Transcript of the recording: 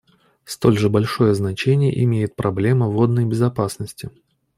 Столь же большое значение имеет проблема водной безопасности.